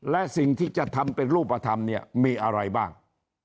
และสิ่งที่จะทำเป็นรูปธรรมเนี่ยมีอะไรบ้าง